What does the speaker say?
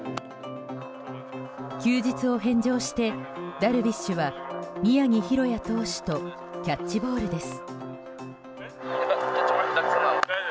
休日を返上してダルビッシュは宮城大弥投手とキャッチボールです。